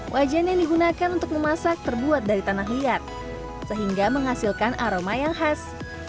wajan yang digunakan untuk memasak terbuat dari tanah liat sehingga menghasilkan aroma yang khas